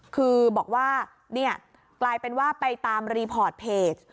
คือบอกว่าเนี่ยกลายเป็นว่าไปตามรีพอร์ตเพจ